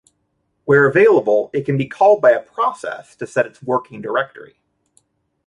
Where available, it can be called by a process to set its working directory.